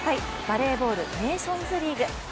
バレーボールネーションズリーグ。